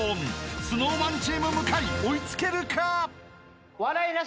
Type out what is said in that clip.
［ＳｎｏｗＭａｎチーム向井追いつけるか！？］